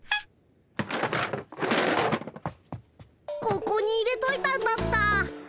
ここに入れといたんだった。